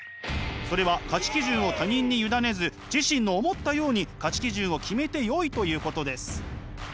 それは価値基準を他人に委ねず自身の思ったように価値基準を決めてよいということです。